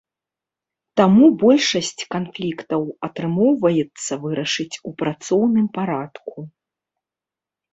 Таму большасць канфліктаў атрымоўваецца вырашыць у працоўным парадку.